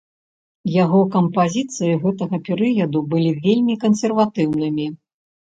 Яго кампазіцыі гэтага перыяду былі вельмі кансерватыўнымі.